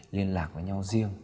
liên lạc với nhau riêng